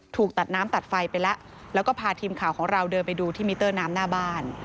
ถูกตัดน้ำตัดไฟไปแล้วแล้วก็พาทีมข่าวของเราเดินไปดูที่มิเตอร์น้ำหน้าบ้าน